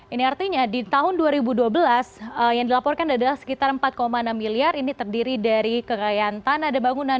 ini artinya di tahun dua ribu dua belas yang dilaporkan adalah sekitar empat enam miliar ini terdiri dari kekayaan tanah dan bangunan